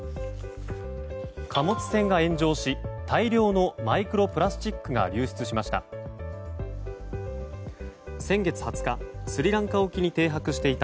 貨物船が炎上し大量のマイクロプラスチックが流出しました。